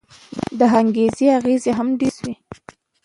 د انګرېزي اغېز هم ډېر شوی.